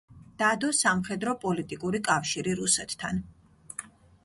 დადო სამხედრო-პოლიტიკური კავშირი რუსეთთან.